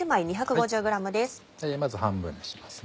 まず半分にします。